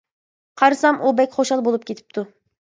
قارىسام ئۇ بەك خۇشال بولۇپ كېتىپتۇ.